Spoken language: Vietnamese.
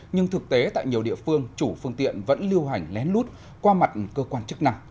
nhưng thực tế tại nhiều địa phương chủ phương tiện vẫn lưu hành lén lút qua mặt cơ quan chức năng